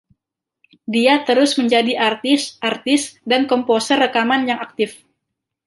Dia terus menjadi artis, artis, dan komposer rekaman yang aktif.